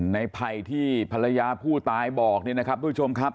ไผ่ที่ภรรยาผู้ตายบอกเนี่ยนะครับทุกผู้ชมครับ